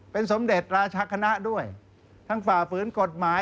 เป็นสมเด็จราชคณะด้วยทั้งฝ่าฝืนกฎหมาย